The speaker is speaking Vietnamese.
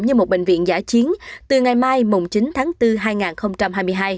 như một bệnh viện giải chiến từ ngày mai chín tháng bốn năm hai nghìn hai mươi hai